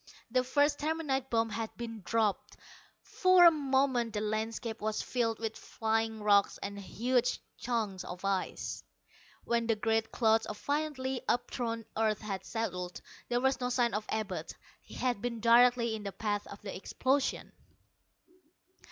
The first terminite bomb had been dropped! For a moment the landscape was filled with flying rocks and huge chunks of ice. When the great clouds of violently upthrown earth had settled, there was no sign of Abud. He had been directly in the path of the explosion!